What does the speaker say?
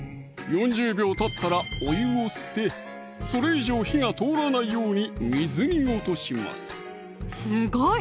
４０秒たったらお湯を捨てそれ以上火が通らないように水に落としますすごい！